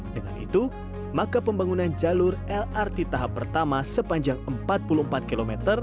dengan itu maka pembangunan jalur lrt tahap pertama sepanjang empat puluh empat km